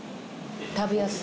食べやすい。